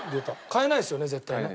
変えないですよね絶対ね。